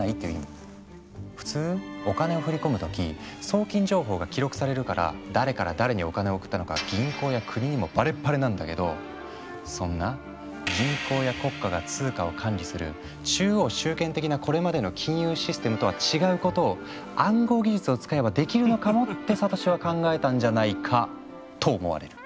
普通お金を振り込むとき送金情報が記録されるから誰から誰にお金を送ったのか銀行や国にもバレバレなんだけどそんな「銀行や国家が通貨を管理する中央集権的なこれまでの金融システム」とは違うことを暗号技術を使えばできるのかもってサトシは考えたんじゃないかと思われる。